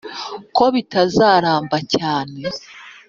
ko bitazaramba cyane